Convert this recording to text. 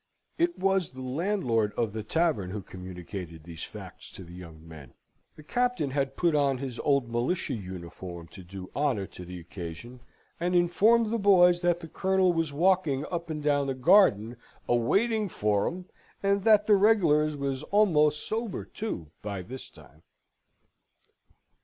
It was the landlord of the tavern who communicated these facts to the young men. The Captain had put on his old militia uniform to do honour to the occasion, and informed the boys that the Colonel was walking up and down the garden a waiting for 'em, and that the Reg'lars was a'most sober, too, by this time.